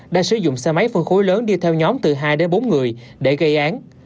đã sử dụng xe máy phân khối lớn đi theo nhóm từ hai đến bốn người để gây án